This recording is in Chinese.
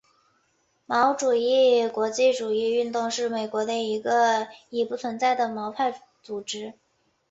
毛主义国际主义运动是美国的一个已不存在的毛派组织。